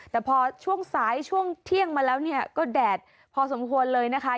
แต่พอช่วงสายช่วงเที่ยงมาแล้วเนี่ยก็แดดพอสมควรเลยนะคะ